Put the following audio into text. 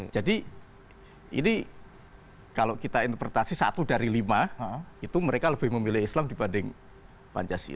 jadi ini kalau kita interpretasi satu dari lima itu mereka lebih memilih islam dibanding pancasila